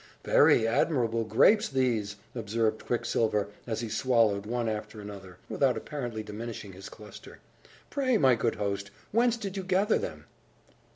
"Very admirable grapes these!" observed Quicksilver, as he swallowed one after another, without apparently diminishing his cluster. "Pray, my good host, whence did you gather them?"